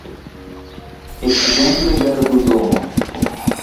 Ekzemple rigardu domon.